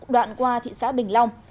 đoạn qua thị xã bình long